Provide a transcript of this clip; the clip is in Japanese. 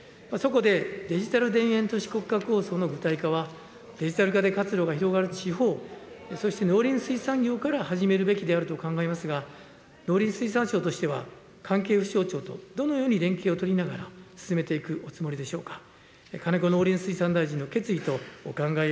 そこでデジタル田園都市国家構想の具体化は、デジタル化で活用が広がる地方、農林水産業から始めるべきであると考えますが、農林水産省としては、関係府省庁とどのように連携を進めていくおつもりでしょうか。